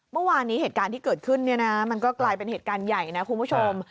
เมื่อวานนี้เหตุการณ์ที่เกิดขึ้นเนี่ยนะมันก็กลายเป็นเหตุการณ์ใหญ่นะคุณผู้ชม